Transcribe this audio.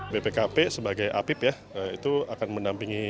bpkp sebagai apip ya itu akan mendampingi